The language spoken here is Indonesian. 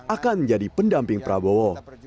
akan menjadi pendamping prabowo